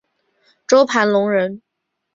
周盘龙人。